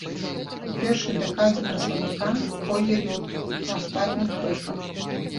У першай дэкадзе красавіка пойдзе лёд на астатніх рэках.